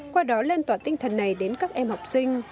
qua đó lan tỏa tinh thần này đến các em học sinh